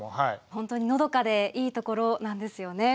本当にのどかでいいところなんですよね。